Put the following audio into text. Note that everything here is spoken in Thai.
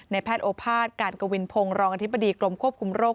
แพทย์โอภาษย์การกวินพงศ์รองอธิบดีกรมควบคุมโรค